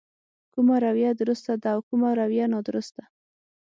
کومه رويه درسته ده او کومه رويه نادرسته.